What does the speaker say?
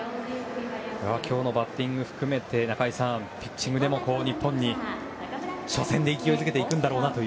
今日のバッティングを含めて中居さんピッチングでも日本に初戦で勢いづけていくんだろうなと。